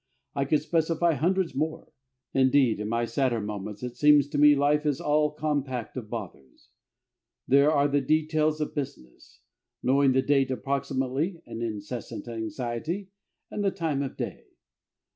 I could specify hundreds more. Indeed, in my sadder moments, it seems to me life is all compact of bothers. There are the details of business knowing the date approximately (an incessant anxiety) and the time of day.